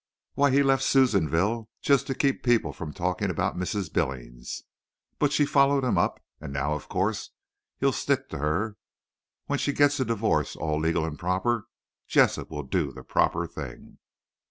Why, he left Susanville just to keep people from talking about Mrs. Billings. But she followed him up, and now, of course, he'll stick to her. When she gets a divorce, all legal and proper, Jessup will do the proper thing."